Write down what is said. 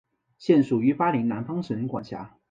现属于巴林南方省管辖。